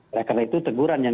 oleh karena itu teguran yang